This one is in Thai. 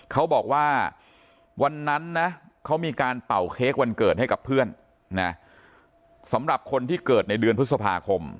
เขาบอกว่าวันนั้นนะเขามีการเป่าเค้กวันเกิดให้กับเพื่อนนะสำหรับคนที่เกิดในเดือนพฤษภาคม